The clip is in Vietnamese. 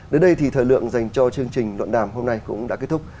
đến đây thì thời lượng dành cho chương trình luận đàm hôm nay cũng đã kết thúc